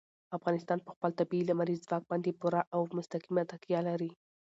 افغانستان په خپل طبیعي لمریز ځواک باندې پوره او مستقیمه تکیه لري.